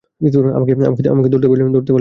আমাকে ধরতে পারলে ধরো!